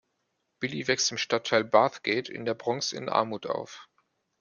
Billy wächst im Stadtteil Bathgate in der Bronx in Armut auf.